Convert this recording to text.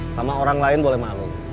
sama orang lain boleh malu